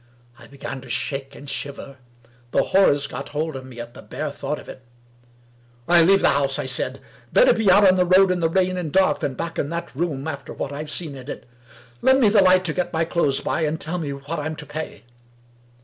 I began to shake and shiver. The horrors got hold of me at the bare thought of it. " ril leave the house/' I said. " Better be out on the road in the rain and dark, than back in that room, after what Fve seen in it. Lend me the light to get my clothes by, and tell me what Vm to pay."